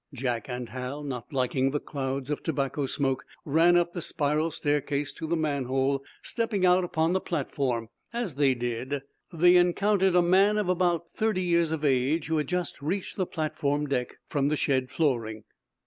Jack and Hal, not liking the clouds of tobacco smoke, ran up the spiral staircase to the manhole, stepping, out upon the platform. As they did so they encountered a man of about thirty years of age who had just reached the platform deck from the shed flooring.